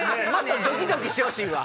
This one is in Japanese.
ドキドキしてほしいわ。